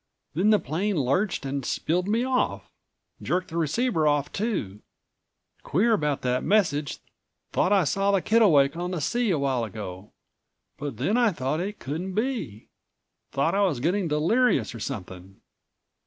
Then the plane lurched and spilled me off. Jerked the receiver off too. Queer about that message! Thought I saw the Kittlewake on the sea a while ago, but then I thought it couldn't be—thought I was getting delirious or something."